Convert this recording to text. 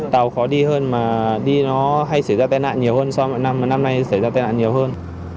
tàu khó đi hơn mà đi nó hay xảy ra tai nạn nhiều hơn so với mọi năm năm nay xảy ra tai nạn nhiều hơn